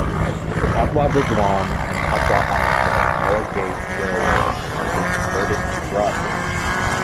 The Katwa-Burdwan and Katwa-Ahmedpur narrow gauge railway lines are being converted to broad gauge.